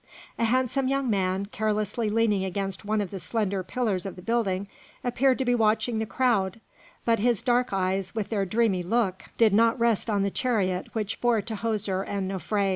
A handsome young man, carelessly leaning against one of the slender pillars of the building, appeared to be watching the crowd, but his dark eyes, with their dreamy look, did not rest on the chariot which bore Tahoser and Nofré.